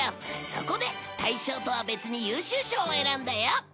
そこで大賞とは別に優秀賞を選んだよ！